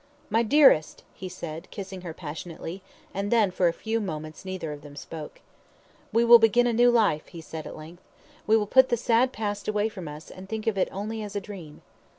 "My dearest," he said, kissing her passionately, and then for a few moments neither of them spoke. "We will begin a new life," he said, at length. "We will put the sad past away from us, and think of it only as a dream."